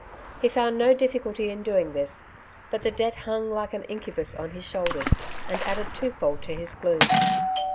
He found no difficulty in doing this ; but the debt hung like an incubus on his shoulders, and added twofold to his gloom.